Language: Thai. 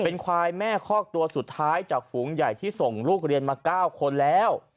เป็นควายแม่คอกตัวสุดท้ายจากฝูงใหญ่ที่ส่งลูกเรียนมา๙คนแล้ว